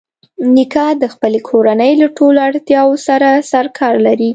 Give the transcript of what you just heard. نیکه د خپلې کورنۍ له ټولو اړتیاوو سره سرکار لري.